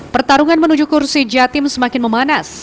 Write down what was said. pertarungan menuju kursi jatim semakin memanas